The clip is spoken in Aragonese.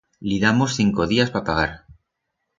Li damos cinco días pa pagar.